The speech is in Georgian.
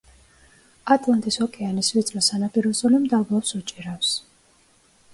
ატლანტის ოკეანის ვიწრო სანაპირო ზოლი დაბლობს უჭირავს.